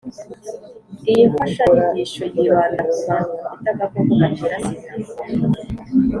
iyi mfashanyigisho yibanda ku bantu bafite agakoko gatera sida